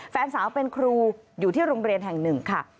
แฟนสาวเป็นครูอยู่ที่โรงเรียนแห่งหนึ่งค่ะ